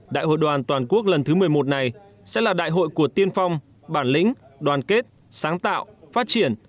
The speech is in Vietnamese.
đại hội đoàn toàn quốc lần thứ một mươi một này sẽ là đại hội của tiên phong bản lĩnh đoàn kết sáng tạo phát triển